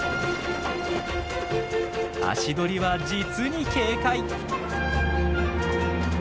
足取りは実に軽快！